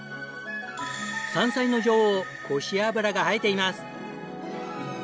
山菜の女王コシアブラが生えています。